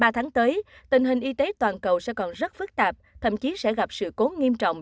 ba tháng tới tình hình y tế toàn cầu sẽ còn rất phức tạp thậm chí sẽ gặp sự cố nghiêm trọng